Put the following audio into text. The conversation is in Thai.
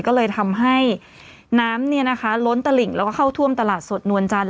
ก็เลยทำให้น้ำล้นตลิ่งแล้วก็เข้าท่วมตลาดสดนวลจันท